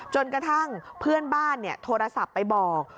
จนกระทั่งเพื่อนบ้านโทรศัพท์ไปบอก